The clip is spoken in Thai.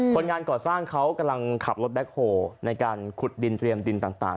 คนงานก่อสร้างเขากำลังขับรถแบ็คโฮลในการขุดดินเตรียมดินต่าง